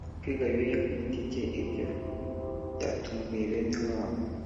kwiga Bibiliya ku giti cye Ibyo byatunguye bene wabo